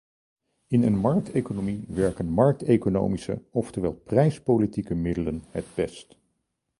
In een markteconomie werken markteconomische oftewel prijspolitieke middelen het best.